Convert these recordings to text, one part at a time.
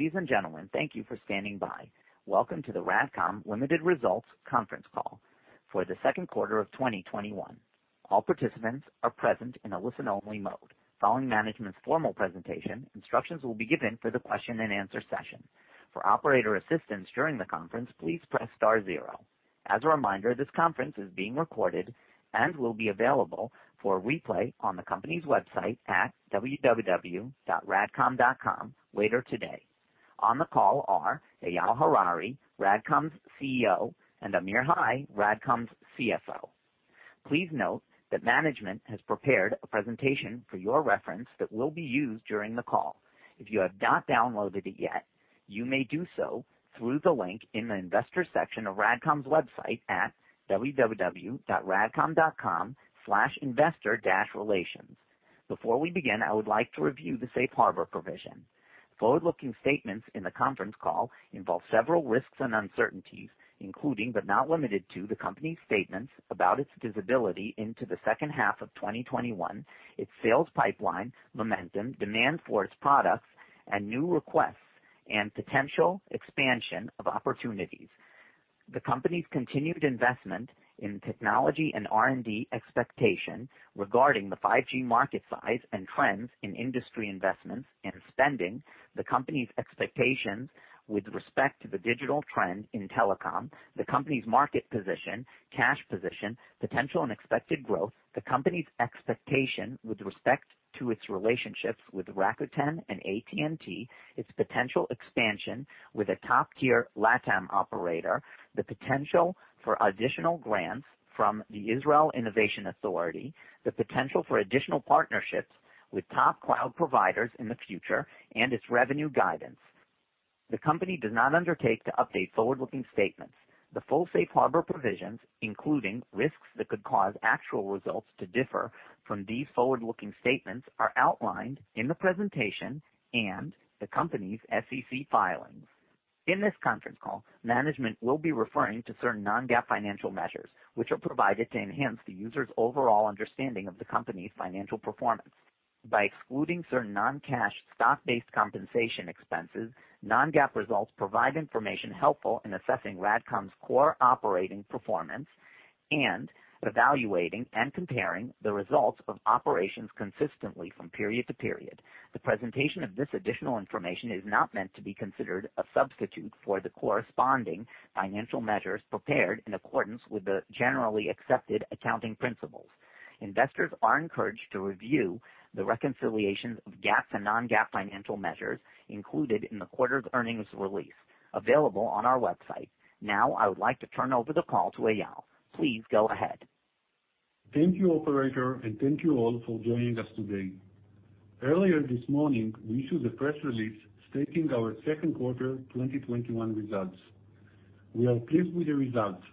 Ladies and gentlemen, thank you for standing by. Welcome to the RADCOM Ltd. results conference call for the second quarter of 2021. All participants are present in a listen-only mode. Following management's formal presentation, instructions will be given for the question and answer session. For operator assistance during the conference, please press star zero. As a reminder, this conference is being recorded and will be available for replay on the company's website at www.radcom.com later today. On the call are Eyal Harari, RADCOM's CEO, and Amir Hai, RADCOM's CFO. Please note that management has prepared a presentation for your reference that will be used during the call. If you have not downloaded it yet, you may do so through the link in the investor section of RADCOM's website at www.radcom.com/investor-relations. Before we begin, I would like to review the safe harbor provision. Forward-looking statements in the conference call involve several risks and uncertainties, including but not limited to, the company's statements about its visibility into the second half of 2021, its sales pipeline, momentum, demand for its products, and new requests and potential expansion of opportunities. The company's continued investment in technology and R&D expectations regarding the 5G market size and trends in industry investments and spending, the company's expectations with respect to the digital trend in telecom, the company's market position, cash position, potential and expected growth, the company's expectation with respect to its relationships with Rakuten and AT&T, its potential expansion with a top-tier LATAM operator, the potential for additional grants from the Israel Innovation Authority, the potential for additional partnerships with top cloud providers in the future, and its revenue guidance. The company does not undertake to update forward-looking statements. The full safe harbor provisions, including risks that could cause actual results to differ from these forward-looking statements, are outlined in the presentation and the company's SEC filings. In this conference call, management will be referring to certain non-GAAP financial measures, which are provided to enhance the user's overall understanding of the company's financial performance. By excluding certain non-cash stock-based compensation expenses, non-GAAP results provide information helpful in assessing RADCOM's core operating performance and evaluating and comparing the results of operations consistently from period to period. The presentation of this additional information is not meant to be considered a substitute for the corresponding financial measures prepared in accordance with the generally accepted accounting principles. Investors are encouraged to review the reconciliations of GAAP to non-GAAP financial measures included in the quarter's earnings release available on our website. Now, I would like to turn over the call to Eyal. Please go ahead. Thank you, operator, and thank you all for joining us today. Earlier this morning, we issued a press release stating our second quarter 2021 results. We are pleased with the results.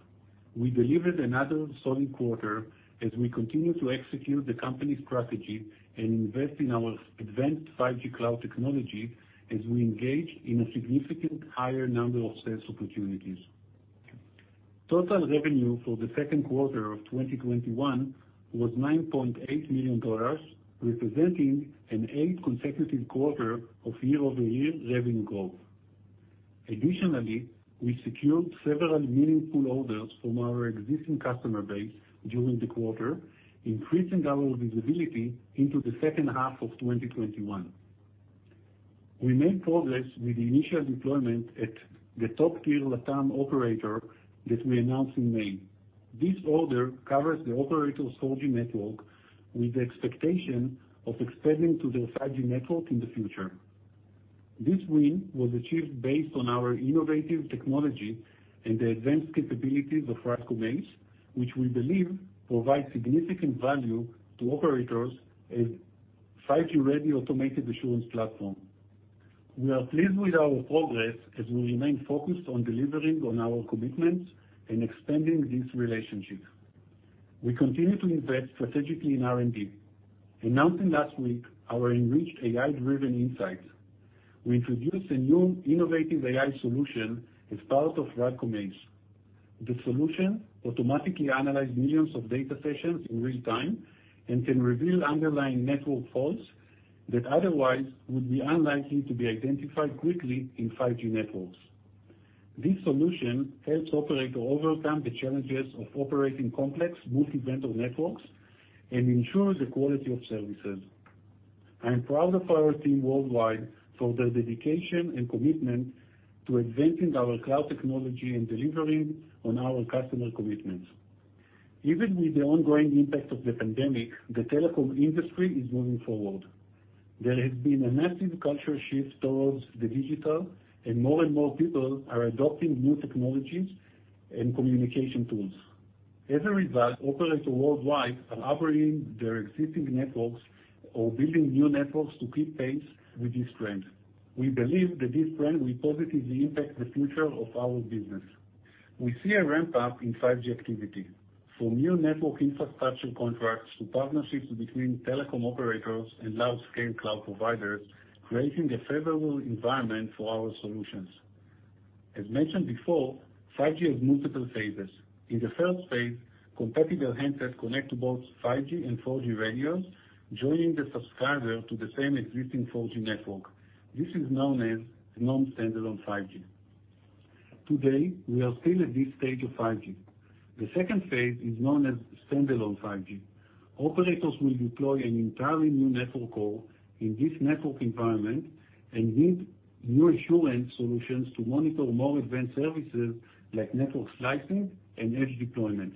We delivered another solid quarter as we continue to execute the company's strategy and invest in our advanced 5G cloud technology as we engage in a significantly higher number of sales opportunities. Total revenue for the second quarter of 2021 was $9.8 million, representing an eight consecutive quarter of year-over-year revenue growth. Additionally, we secured several meaningful orders from our existing customer base during the quarter, increasing our visibility into the second half of 2021. We made progress with the initial deployment at the top-tier LATAM operator that we announced in May. This order covers the operator's 4G network with the expectation of expanding to their 5G network in the future. This win was achieved based on our innovative technology and the advanced capabilities of RADCOM ACE, which we believe provides significant value to operators as 5G Ready Automated Assurance platform. We are pleased with our progress as we remain focused on delivering on our commitments and expanding this relationship. We continue to invest strategically in R&D. Announcing last week our enriched AI-driven insights. We introduced a new innovative AI solution as part of RADCOM ACE. The solution automatically analyzes millions of data sessions in real time and can reveal underlying network faults that otherwise would be unlikely to be identified quickly in 5G networks. This solution helps operators overcome the challenges of operating complex multi-vendor networks and ensures the quality of services. I am proud of our team worldwide for their dedication and commitment to advancing our cloud technology and delivering on our customer commitments. Even with the ongoing impact of the pandemic, the telecom industry is moving forward. There has been a massive cultural shift towards the digital, and more and more people are adopting new technologies and communication tools. As a result, operators worldwide are upgrading their existing networks or building new networks to keep pace with this trend. We believe that this trend will positively impact the future of our business. We see a ramp-up in 5G activity, from new network infrastructure contracts to partnerships between telecom operators and large-scale cloud providers, creating a favorable environment for our solutions. As mentioned before, 5G has multiple phases. In the first phase, compatible handsets connect to both 5G and 4G radios, joining the subscriber to the same existing 4G network. This is known as non-standalone 5G. Today, we are still at this stage of 5G. The second phase is known as standalone 5G. Operators will deploy an entirely new network core in this network environment and need new assurance solutions to monitor more advanced services like network slicing and edge deployments.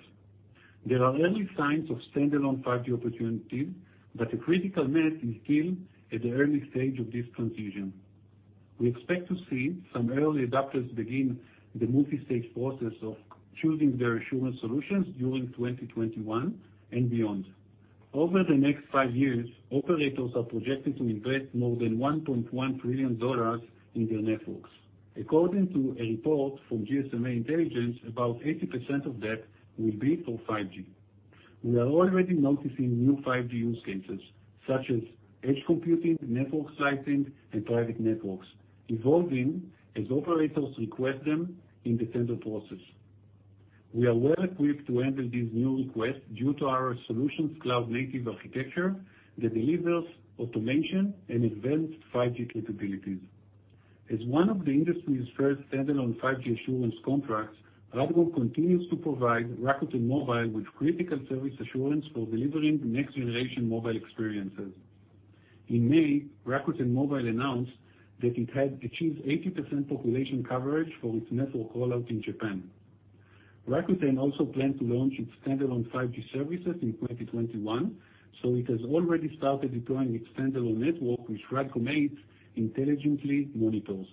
There are early signs of standalone 5G opportunities, but the critical mass is still at the early stage of this transition. We expect to see some early adopters begin the multi-stage process of choosing their assurance solutions during 2021 and beyond. Over the next five years, operators are projecting to invest more than $1.1 trillion in their networks. According to a report from GSMA Intelligence, about 80% of that will be for 5G. We are already noticing new 5G use cases such as edge computing, network slicing, and private networks evolving as operators request them in the tender process. We are well-equipped to handle these new requests due to our solutions cloud-native architecture that delivers automation and advanced 5G capabilities. As one of the industry's first standalone 5G assurance contracts, RADCOM continues to provide Rakuten Mobile with critical service assurance for delivering the next-generation mobile experiences. In May, Rakuten Mobile announced that it had achieved 80% population coverage for its network rollout in Japan. It has already started deploying its standalone 5G network, which RADCOM ACE intelligently monitors.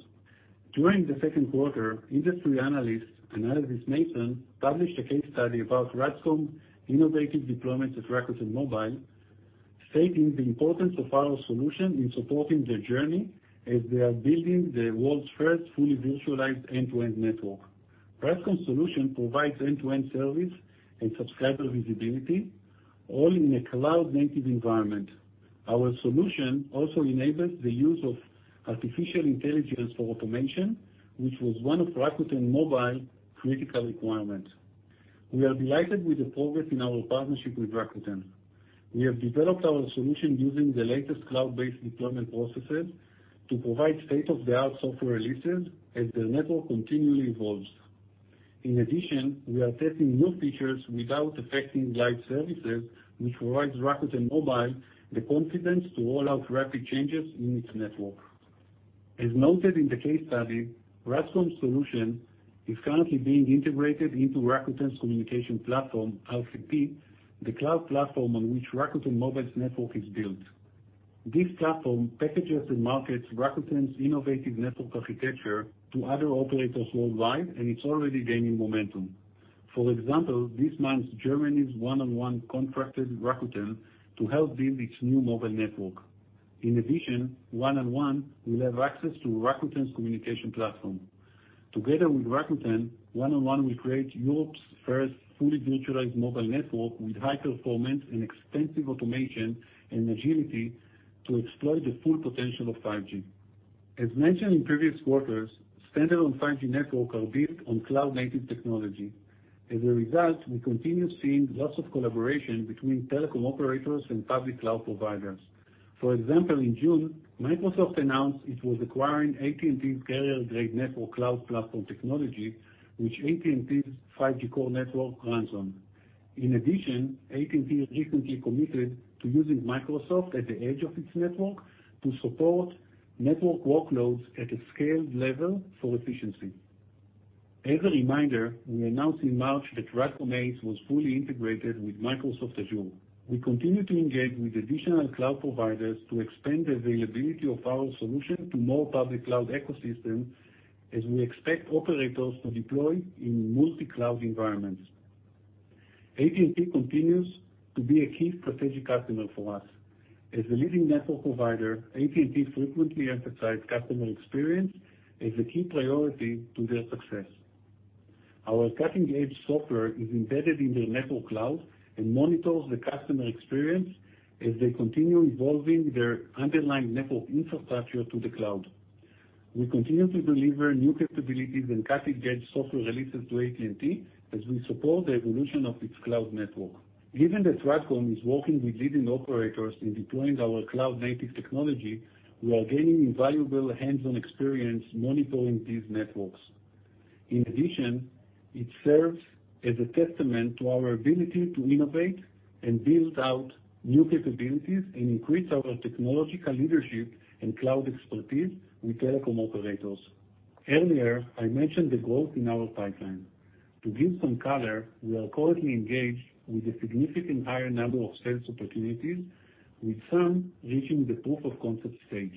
During the second quarter, industry analysts, Analysys Mason, published a case study about RADCOM innovative deployments at Rakuten Mobile, stating the importance of our solution in supporting their journey as they are building the world's first fully virtualized end-to-end network. RADCOM solution provides end-to-end service and subscriber visibility, all in a cloud-native environment. Our solution also enables the use of artificial intelligence for automation, which was one of Rakuten Mobile critical requirement. We are delighted with the progress in our partnership with Rakuten. We have developed our solution using the latest cloud-based deployment processes to provide state-of-the-art software releases as their network continually evolves. In addition, we are testing new features without affecting live services, which provides Rakuten Mobile the confidence to roll out rapid changes in its network. As noted in the case study, RADCOM solution is currently being integrated into Rakuten Communications Platform, RCP, the cloud platform on which Rakuten Mobile's network is built. This platform packages and markets Rakuten's innovative network architecture to other operators worldwide, and it's already gaining momentum. For example, this month, Germany's 1&1 contracted Rakuten to help build its new mobile network. In addition, 1&1 will have access to Rakuten's communication platform. Together with Rakuten, 1&1 will create Europe's first fully virtualized mobile network with high performance and extensive automation and agility to exploit the full potential of 5G. As mentioned in previous quarters, standalone 5G network are built on cloud-native technology. As a result, we continue seeing lots of collaboration between telecom operators and public cloud providers. For example, in June, Microsoft announced it was acquiring AT&T's carrier-grade network cloud platform technology, which AT&T's 5G core network runs on. In addition, AT&T recently committed to using Microsoft at the edge of its network to support network workloads at a scaled level for efficiency. As a reminder, we announced in March that RADCOM ACE was fully integrated with Microsoft Azure. We continue to engage with additional cloud providers to expand the availability of our solution to more public cloud ecosystems as we expect operators to deploy in multi-cloud environments. AT&T continues to be a key strategic customer for us. As a leading network provider, AT&T frequently emphasize customer experience as a key priority to their success. Our cutting-edge software is embedded in their network cloud and monitors the customer experience as they continue evolving their underlying network infrastructure to the cloud. We continue to deliver new capabilities and cutting-edge software releases to AT&T as we support the evolution of its cloud network. Given that RADCOM is working with leading operators in deploying our cloud-native technology, we are gaining invaluable hands-on experience monitoring these networks. In addition, it serves as a testament to our ability to innovate and build out new capabilities and increase our technological leadership and cloud expertise with telecom operators. Earlier, I mentioned the growth in our pipeline. To give some color, we are currently engaged with a significant higher number of sales opportunities, with some reaching the proof of concept stage.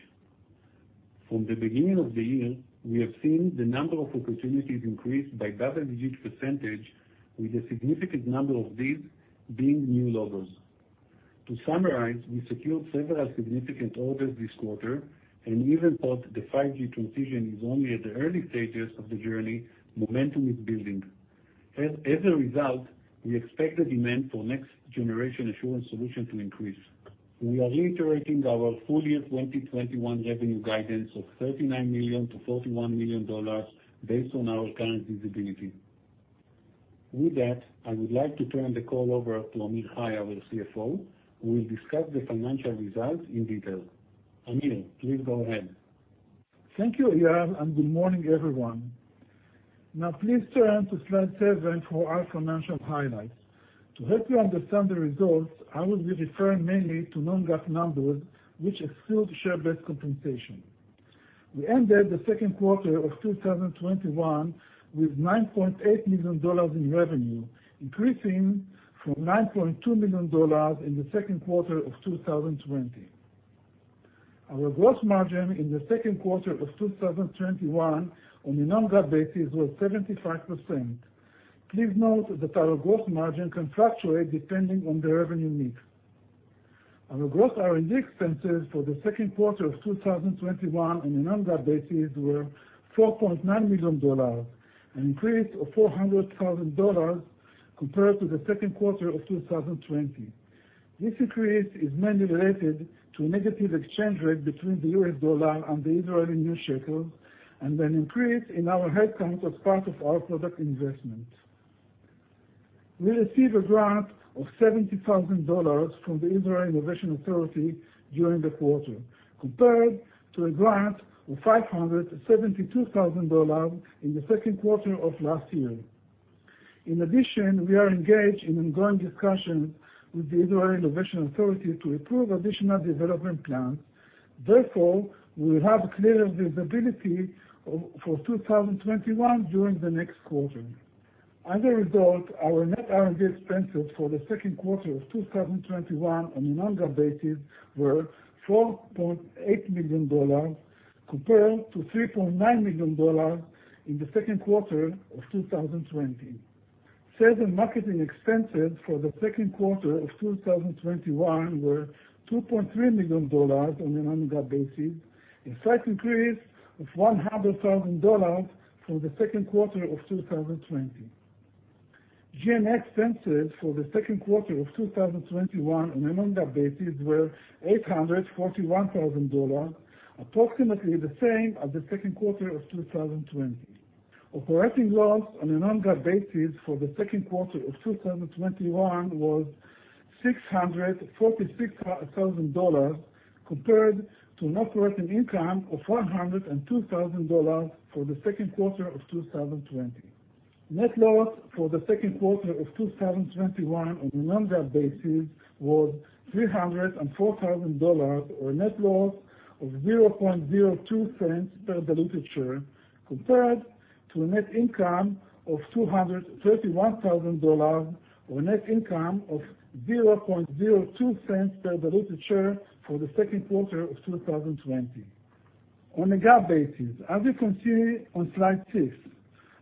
From the beginning of the year, we have seen the number of opportunities increase by double-digit percentage, with a significant number of these being new logos. To summarize, we secured several significant orders this quarter, and even though the 5G transition is only at the early stages of the journey, momentum is building. As a result, we expect the demand for next-generation assurance solutions to increase. We are reiterating our full-year 2021 revenue guidance of $39 million-$41 million based on our current visibility. With that, I would like to turn the call over to Amir Hai, our CFO, who will discuss the financial results in detail. Amir Hai, please go ahead. Thank you, Eyal, good morning, everyone. Please turn to slide seven for our financial highlights. To help you understand the results, I will be referring mainly to non-GAAP numbers, which exclude share-based compensation. We ended the second quarter of 2021 with $9.8 million in revenue, increasing from $9.2 million in the second quarter of 2020. Our gross margin in the second quarter of 2021 on a non-GAAP basis was 75%. Please note that our gross margin can fluctuate depending on the revenue mix. Our gross R&D expenses for the second quarter of 2021 on a non-GAAP basis were $4.9 million, an increase of $400,000 compared to the second quarter of 2020. This increase is mainly related to a negative exchange rate between the US dollar and the Israeli new shekel, and an increase in our headcount as part of our product investment. We received a grant of $70,000 from the Israel Innovation Authority during the quarter, compared to a grant of $572,000 in the second quarter of last year. In addition, we are engaged in ongoing discussions with the Israel Innovation Authority to approve additional development plans. Therefore, we will have clearer visibility for 2021 during the next quarter. As a result, our net R&D expenses for the second quarter of 2021 on a non-GAAP basis were $4.8 million, compared to $3.9 million in the second quarter of 2020. Sales and marketing expenses for the second quarter of 2021 were $2.3 million on a non-GAAP basis, a slight increase of $100,000 from the second quarter of 2020. G&A expenses for the second quarter of 2021 on a non-GAAP basis were $841,000, approximately the same as the second quarter of 2020. Operating loss on a non-GAAP basis for the second quarter of 2021 was $646,000 compared to an operating income of $102,000 for the second quarter of 2020. Net loss for the second quarter of 2021 on a non-GAAP basis was $304,000, or a net loss of $0.0002 per diluted share, compared to a net income of $231,000, or net income of $0.0002 per diluted share for the second quarter of 2020. On a GAAP basis, as you can see on slide six,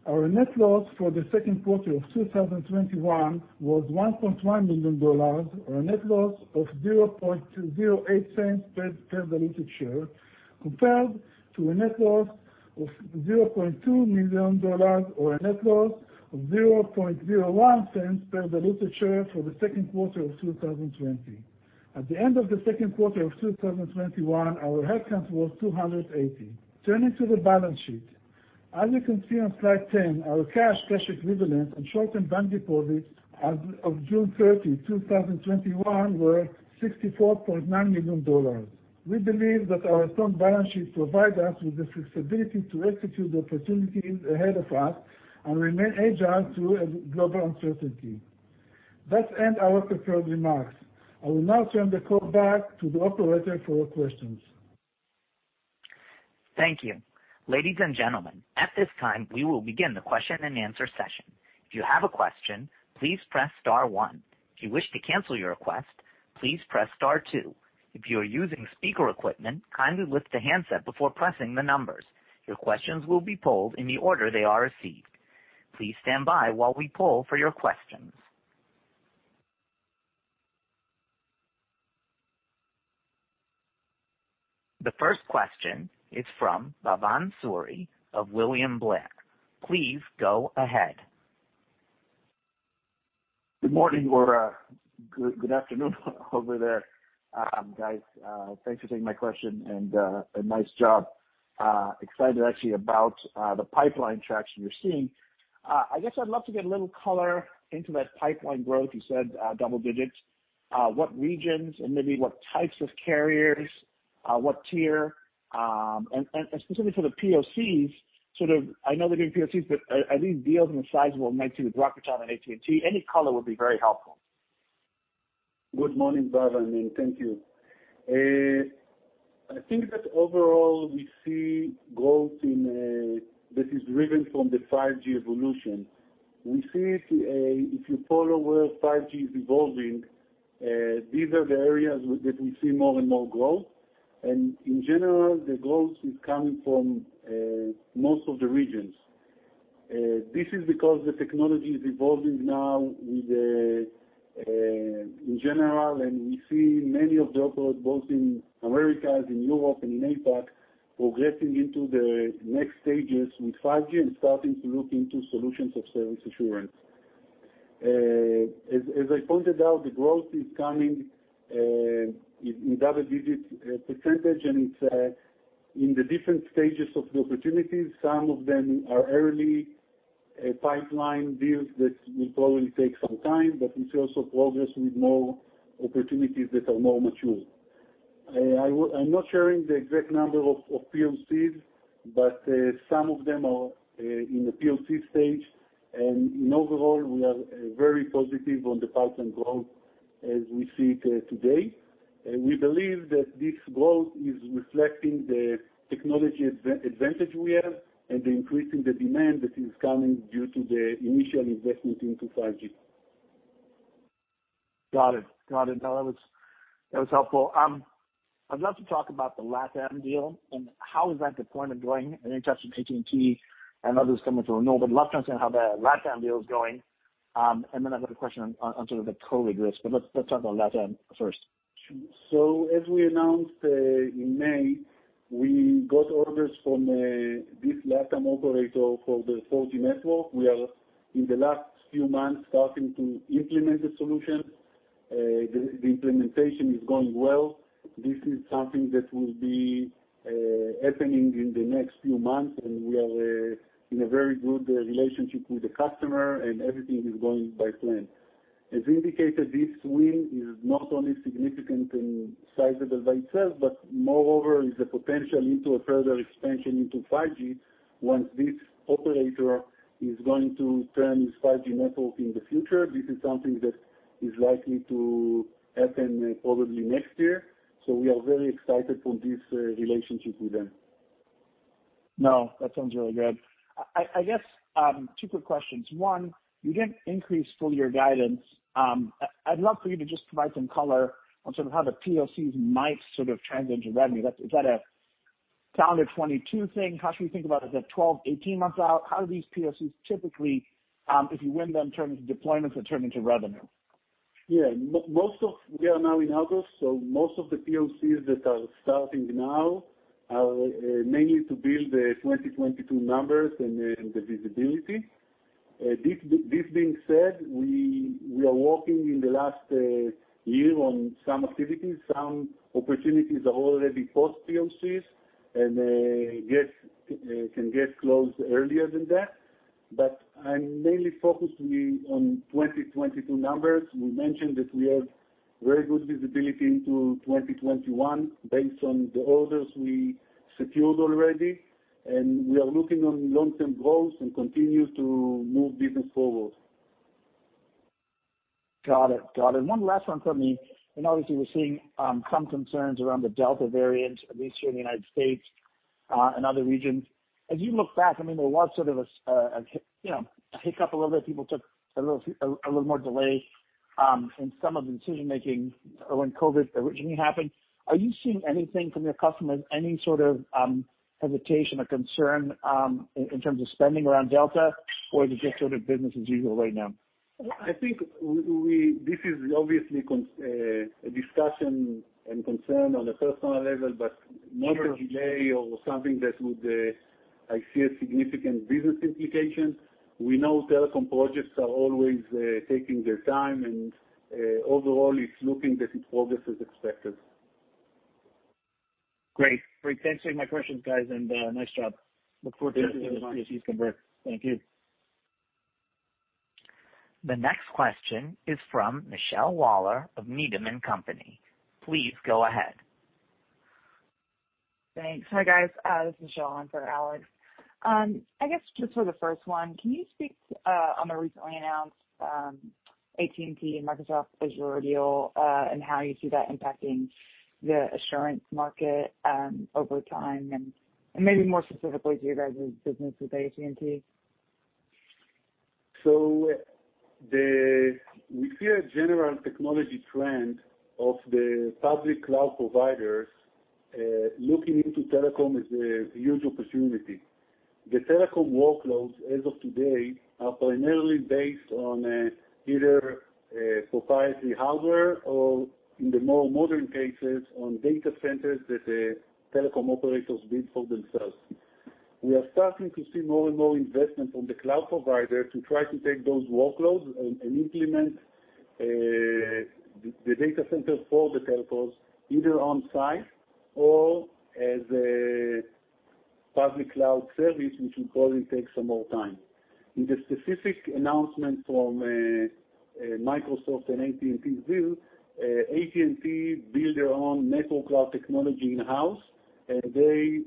our net loss for the second quarter of 2021 was $1.1 million, or a net loss of $0.0008 per diluted share, compared to a net loss of $0.2 million, or a net loss of $0.0001 per diluted share for the second quarter of 2020. At the end of the second quarter of 2021, our headcount was 280. Turning to the balance sheet. As you can see on slide 10, our cash equivalents, and short-term bank deposits as of June 30, 2021, were $64.9 million. We believe that our strong balance sheet provides us with the flexibility to execute the opportunities ahead of us and remain agile through global uncertainty. That ends our prepared remarks. I will now turn the call back to the operator for questions. Thank you. Ladies and gentlemen, at this time, we will begin the question-and-answer session. If you have a question, please press star one. If you wish to cancel your request, please press star two. If you are using speaker equipment, kindly lift the handset before pressing the numbers. Your questions will be polled in the order they are received. Please stand by while we poll for your questions. The first question is from Bhavan Suri of William Blair. Please go ahead. Good morning, or good afternoon over there, guys. Thanks for taking my question and nice job. Excited, actually, about the pipeline traction you're seeing. I guess I'd love to get a little color into that pipeline growth. You said double digits. What regions and maybe what types of carriers, what tier? Specifically for the PoCs, I know they're doing PoCs, but are these deals in the size what we might see with Rakuten and AT&T? Any color would be very helpful. Good morning, Bhavan, and thank you. I think that overall, we see growth that is driven from the 5G evolution. We see if you follow where 5G is evolving, these are the areas that we see more and more growth. In general, the growth is coming from most of the regions. This is because the technology is evolving now, and we see many of the operators both in Americas, in Europe, and in APAC, progressing into the next stages with 5G and starting to look into solutions of service assurance. As I pointed out, the growth is coming in double-digit percentage and it's in the different stages of the opportunities. Some of them are early pipeline deals that will probably take some time, but we see also progress with more opportunities that are more mature. I'm not sharing the exact number of PoCs, but some of them are in the PoC stage. Overall, we are very positive on the pipeline growth as we see it today. We believe that this growth is reflecting the technology advantage we have and the increase in the demand that is coming due to the initial investment into 5G. Got it. That was helpful. I'd love to talk about the LatAm deal and how is that deployment going in touch with AT&T and others coming through. No, I'd love to understand how the LatAm deal is going. I've got a question on sort of the COVID risk. Let's talk about LatAm first. As we announced in May, we got orders from this LatAm operator for the 4G network. We are in the last few months starting to implement the solution. The implementation is going well. This is something that will be happening in the next few months, and we are in a very good relationship with the customer, and everything is going by plan. As indicated, this win is not only significant and sizable by itself, but moreover, is a potential into a further expansion into 5G once this operator is going to turn his 5G network in the future. This is something that is likely to happen probably next year. We are very excited for this relationship with them. No, that sounds really good. I guess, two quick questions. One, you didn't increase full-year guidance. I'd love for you to just provide some color on sort of how the POCs might sort of turn into revenue. Is that a calendar 2022 thing? How should we think about it, is that 12, 18 months out? How do these PoCs typically, if you win them, turn into deployments or turn into revenue? We are now in August, most of the PoCs that are starting now are mainly to build the 2022 numbers and the visibility. This being said, we are working in the last year on some activities. Some opportunities are already post-PoCs and can get closed earlier than that. I'm mainly focused on 2022 numbers. We mentioned that we have very good visibility into 2021 based on the orders we secured already, and we are looking on long-term growth and continue to move business forward. Got it. One last one from me. Obviously, we're seeing some concerns around the Delta variant, at least here in the United States, and other regions. As you look back, there was sort of a hiccup a little bit. People took a little more delay, in some of the decision-making when COVID originally happened. Are you seeing anything from your customers, any sort of hesitation or concern in terms of spending around Delta, or is it just sort of business as usual right now? I think this is obviously a discussion and concern on a personal level, but not a delay or something that would I see a significant business implication. We know telecom projects are always taking their time, and overall, it's looking that it progress as expected. Great. Thanks for taking my questions, guys, and nice job. Thank you very much. Seeing these PoCs convert. Thank you. The next question is from Michelle Waller of Needham & Company. Please go ahead. Thanks. Hi, guys. This is Michelle in for Alex. I guess just for the first one, can you speak on the recently announced AT&T and Microsoft Azure deal, and how you see that impacting the assurance market, over time, and maybe more specifically to your guys' business with AT&T? We see a general technology trend of the public cloud providers, looking into telecom as a huge opportunity. The telecom workloads as of today are primarily based on either proprietary hardware or in the more modern cases, on data centers that telecom operators build for themselves. We are starting to see more and more investment from the cloud provider to try to take those workloads and implement the data centers for the telcos, either on site or as a public cloud service, which will probably take some more time. In the specific announcement from Microsoft and AT&T's deal, AT&T build their own network cloud technology in-house, and they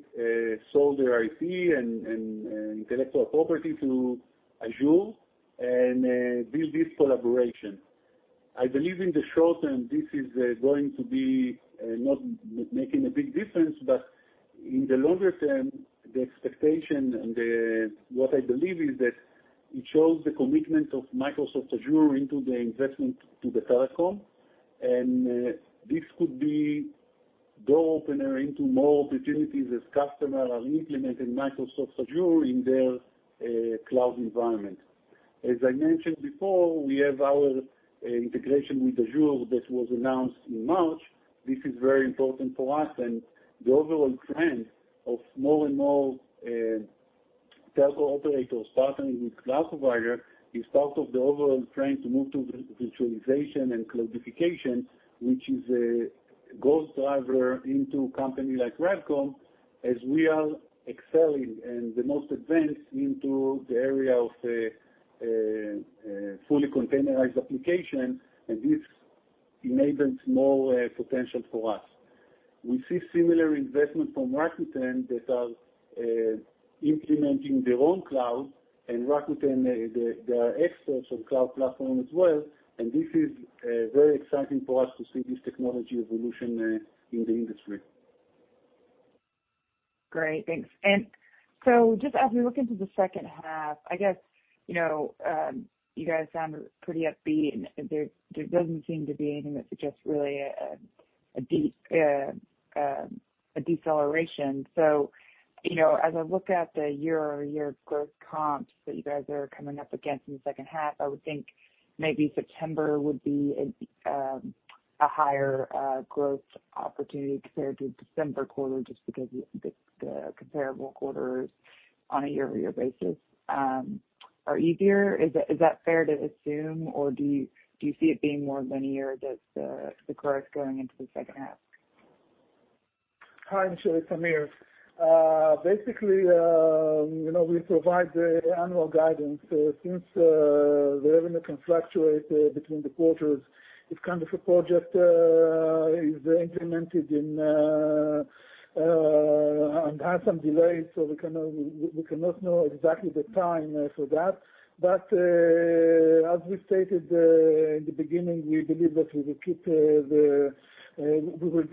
sold their IT and intellectual property to Azure and build this collaboration. I believe in the short term, this is going to be not making a big difference, but in the longer term, the expectation and what I believe is that it shows the commitment of Microsoft Azure into the investment to the telecom, and this could be door opener into more opportunities as customers are implementing Microsoft Azure in their cloud environment. As I mentioned before, we have our integration with Azure that was announced in March. This is very important for us and the overall trend of more and more telco operators partnering with cloud provider is part of the overall trend to move to virtualization and cloudification, which is a growth driver into company like RADCOM as we are excelling and the most advanced into the area of fully containerized application, and this enables more potential for us. We see similar investment from Rakuten that are implementing their own cloud and Rakuten, they are experts on cloud platform as well, and this is very exciting for us to see this technology evolution in the industry. Great. Thanks. Just as we look into the second half, I guess, you guys sound pretty upbeat, and there doesn't seem to be anything that suggests really a deceleration. As I look at the year-over-year growth comps that you guys are coming up against in the second half, I would think maybe September would be a higher growth opportunity compared to December quarter, just because the comparable quarters on a year-over-year basis are easier. Is that fair to assume, or do you see it being more linear, the growth going into the second half? Hi, Michelle, it's Amir Hai. Basically, we provide the annual guidance, since the revenue can fluctuate between the quarters, it's kind of a project, is implemented and has some delays, so we cannot know exactly the time for that. As we stated in the beginning, we believe that we will be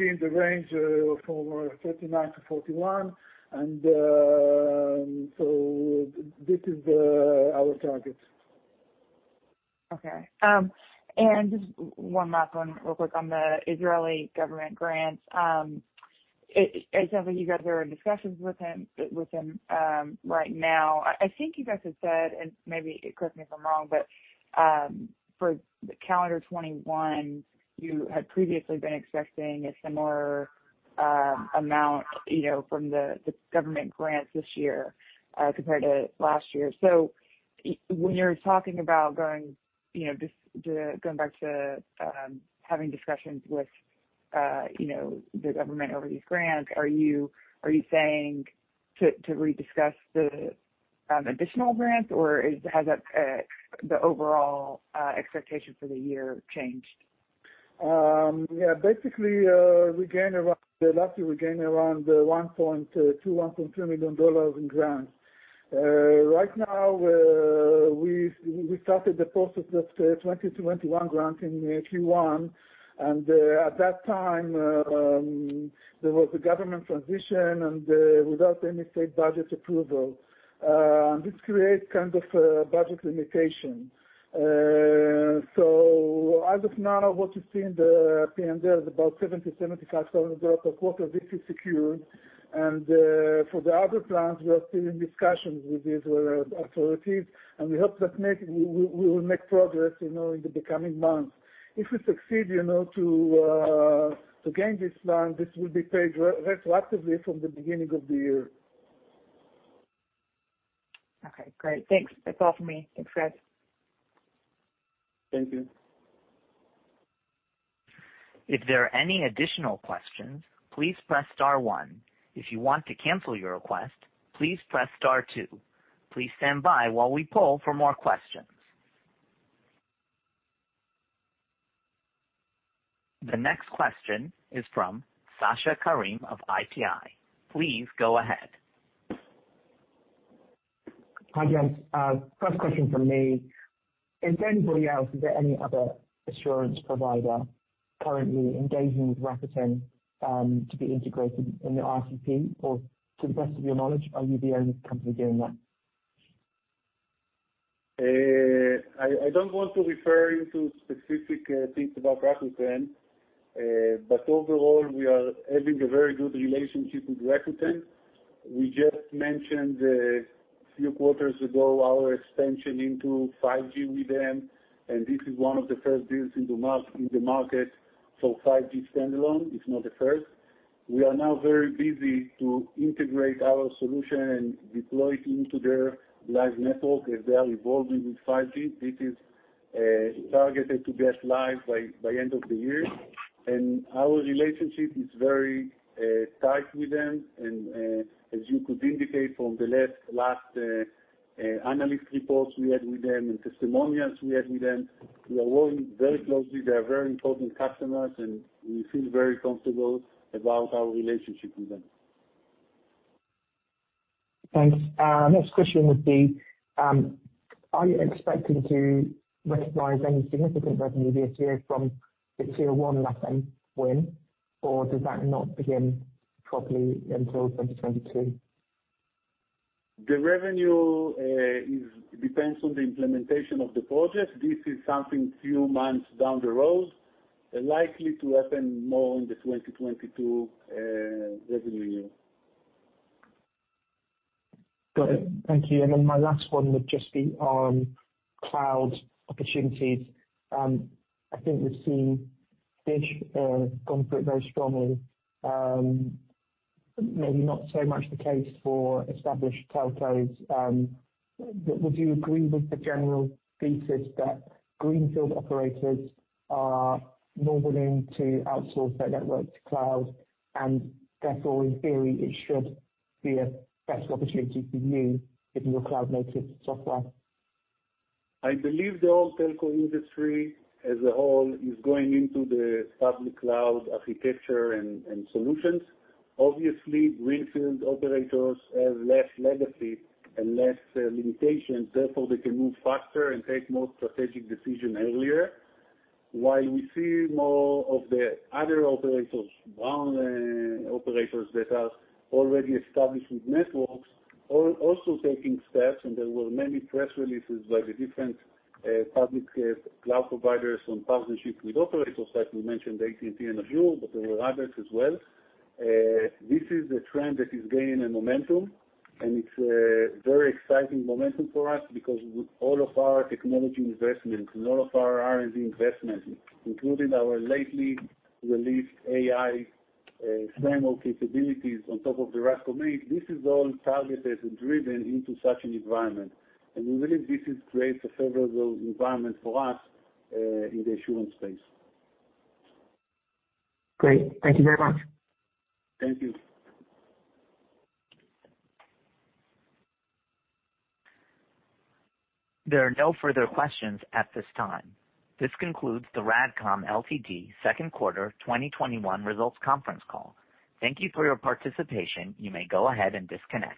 in the range of over $39 million-$41 million. This is our target. Okay. Just one last one real quick on the Israeli government grants. It sounds like you guys are in discussions with them right now. I think you guys have said, and maybe correct me if I'm wrong, but, for calendar 2021, you had previously been expecting a similar amount from the government grants this year, compared to last year. When you're talking about going back to having discussions with the government over these grants, are you saying to re-discuss the additional grants or has the overall expectation for the year changed? Yeah. Basically, last year, we gained around $1.2 million in grants. Right now, we started the process of 2021 grant in Q1. At that time, there was a government transition and without any state budget approval. This creates kind of a budget limitation. As of now, what you see in the P&L is about 70%-75% of quarter this is secured. For the other grants, we are still in discussions with these authorities, and we hope that we will make progress in the coming months. If we succeed to gain these grants, this will be paid retroactively from the beginning of the year. Okay, great. Thanks. That's all for me. Thanks, Amir. Thank you. The next question is from Sasha Karim of IPI. Please go ahead. Hi, guys. First question from me. Is there any other assurance provider currently engaging with Rakuten, to be integrated in the RCP or to the best of your knowledge, are you the only company doing that? I don't want to refer into specific things about Rakuten, but overall, we are having a very good relationship with Rakuten. We just mentioned a few quarters ago our expansion into 5G with them, and this is one of the first deals in the market for 5G standalone, if not the first. We are now very busy to integrate our solution and deploy it into their live network as they are evolving with 5G. This is targeted to be live by end of the year. Our relationship is very tight with them, and as you could indicate from the last analyst reports we had with them and testimonials we had with them, we are working very closely. They are very important customers, and we feel very comfortable about our relationship with them. Thanks. Next question would be, are you expecting to recognize any significant revenue this year from the Tier 1 Rakuten win, or does that not begin properly until 2022? The revenue depends on the implementation of the project. This is something few months down the road, likely to happen more in the 2022 revenue year. Got it. Thank you. My last one would just be on cloud opportunities. I think we've seen DISH come through it very strongly. Maybe not so much the case for established telcos. Would you agree with the general thesis that greenfield operators are more willing to outsource their network to cloud, and therefore, in theory, it should be a better opportunity for you if you're cloud-native software? I believe the whole telco industry as a whole is going into the public cloud architecture and solutions. Obviously, greenfield operators have less legacy and less limitations, therefore they can move faster and take more strategic decision earlier. While we see more of the other operators, brown operators that are already established with networks, also taking steps, and there were many press releases by the different public cloud providers on partnerships with operators, like we mentioned AT&T and Azure, but there were others as well. This is a trend that is gaining a momentum, and it's a very exciting momentum for us because with all of our technology investments and all of our R&D investments, including our lately released RADCOM AI capabilities on top of the RADCOM ACE, this is all targeted and driven into such an environment. We believe this creates a favorable environment for us in the assurance space. Great. Thank you very much. Thank you. There are no further questions at this time. This concludes the RADCOM Ltd. second quarter 2021 results conference call. Thank you for your participation. You may go ahead and disconnect.